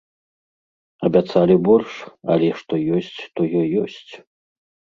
Абяцалі больш, але што ёсць, тое ёсць.